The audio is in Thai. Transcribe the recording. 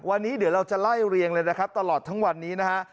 วันนี้เดี๋ยวเราจะไล่เรียงเลยนะครับตลอดทั้งวันนี้นะฮะ